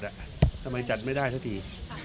ทำไมจัดไม่ได้สักที